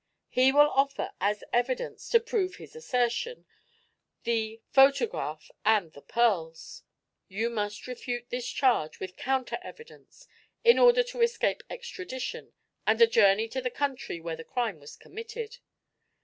He will offer, as evidence to prove his assertion, the photograph and the pearls. You must refute this charge with counter evidence, in order to escape extradition and a journey to the country where the crime was committed.